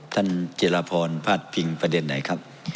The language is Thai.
ท่านจิราพรภาษาปิงประเด็นไหนครับ